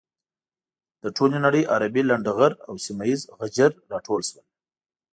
له ټولې نړۍ عربي لنډه غر او سيمه یيز غجر راټول شول.